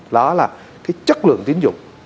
đó là cái chất lượng tính dụng